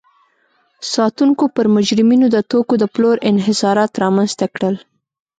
ساتونکو پر مجرمینو د توکو د پلور انحصارات رامنځته کړل.